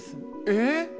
えっ。